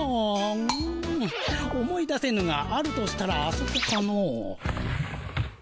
うん思い出せぬがあるとしたらあそこかの。